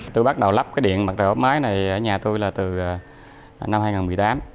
tôi bắt đầu lắp cái điện mặt trời áp mái này ở nhà tôi là từ năm hai nghìn một mươi tám